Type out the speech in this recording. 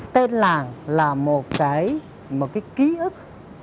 tên làng là một cái ký ức